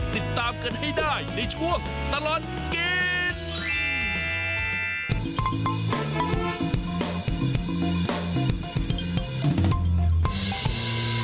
ติดตามกันให้ได้ในช่วงตลอดกิน